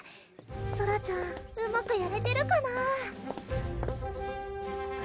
ソラちゃんうまくやれてるかなぁ？